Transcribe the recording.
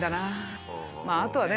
あとはね